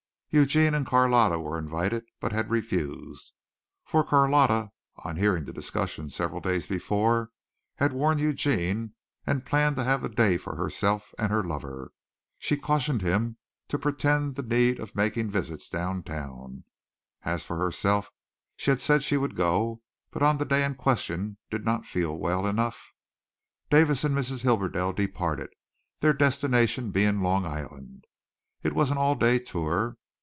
Eugene and Carlotta were invited but had refused, for Carlotta on hearing the discussion several days before had warned Eugene and planned to have the day for herself and her lover. She cautioned him to pretend the need of making visits down town. As for herself she had said she would go, but on the day in question did not feel well enough. Davis and Mrs. Hibberdell departed, their destination being Long Island. It was an all day tour.